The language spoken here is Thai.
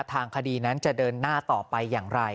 ทางคดีนั้นจะเดินหน้าต่อไปอย่างไร